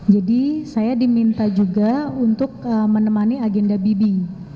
jadi saya diminta juga untuk menemani agenda bibi